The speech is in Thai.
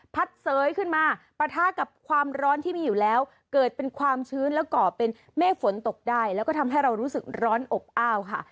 เสยขึ้นมาปะทะกับความร้อนที่มีอยู่แล้วเกิดเป็นความชื้นแล้วก่อเป็นเมฆฝนตกได้แล้วก็ทำให้เรารู้สึกร้อนอบอ้าวค่ะ